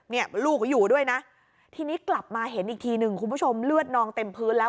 ลูกก็อยู่ด้วยนะทีนี้กลับมาเห็นอีกทีหนึ่งคุณผู้ชมเลือดนองเต็มพื้นแล้ว